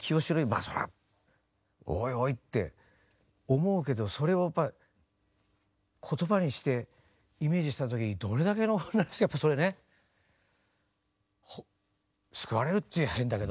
まあそれはおいおいって思うけどそれをやっぱ言葉にしてイメージした時にどれだけの女の人がやっぱそれね救われるって言うのは変だけど。